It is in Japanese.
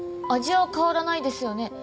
味は変わらないですよね？